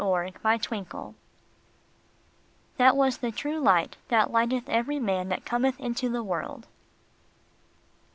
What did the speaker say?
228 THE TRUE LIGHT. "THAT WAS THE TRUE LIGHT, THAT LIGHT ETH EVERY MAN THAT COMETH INTO THE WORLD."